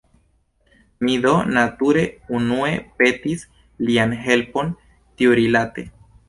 Mi do nature unue petis lian helpon tiurilate.